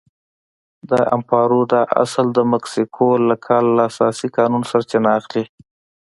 د امپارو دا اصل د مکسیکو له کال له اساسي قانون سرچینه اخلي.